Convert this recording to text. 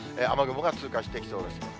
雨雲が通過していきそうです。